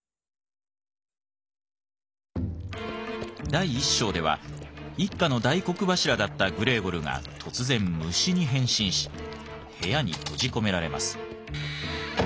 第１章では一家の大黒柱だったグレーゴルが突然虫に変身し部屋に閉じ込められます。